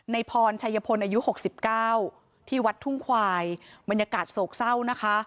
พรชัยพลอายุ๖๙ที่วัดทุ่งควายบรรยากาศโศกเศร้านะคะ